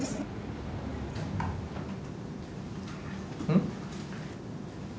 うん？